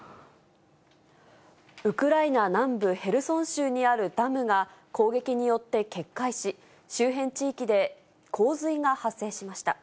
ウクライナ南部ヘルソン州にあるダムが、攻撃によって決壊し、周辺地域で洪水が発生しました。